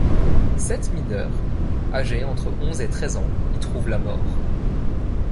Sept mineurs, âgés entre onze et treize ans, y trouvent la mort.